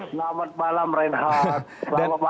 selamat malam reinhardt